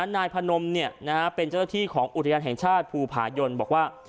นายพนมเป็นเจ้าหน้าที่ของอุทยานแห่งชาติภูผายนบอกว่า